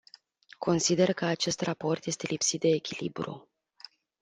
Consider că acest raport este lipsit de echilibru.